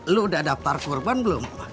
lo udah daftar korban belum